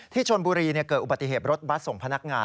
ชนบุรีเกิดอุบัติเหตุรถบัสส่งพนักงาน